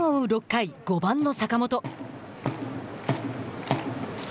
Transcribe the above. ６回５番の坂本。